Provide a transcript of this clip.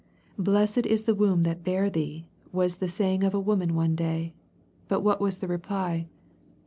—" Blessed is the womb that bare thee," was the saying of a woman one day. But what was the reply